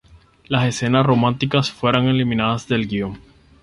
Las escenas románticas fueron eliminadas del guión.